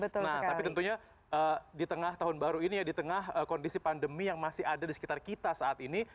nah tapi tentunya di tengah tahun baru ini ya di tengah kondisi pandemi yang masih ada di sekitar kita saat ini